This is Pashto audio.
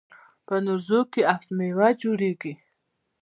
په نوروز کې هفت میوه جوړیږي.